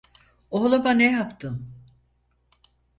Oğluma ne yaptın?